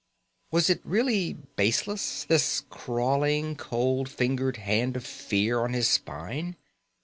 Was it really baseless this crawling, cold fingered hand of fear on his spine?